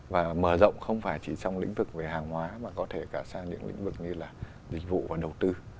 và mở rộng không phải chỉ trong lĩnh vực về hàng hóa mà có thể cả sang những lĩnh vực như là dịch vụ và đầu tư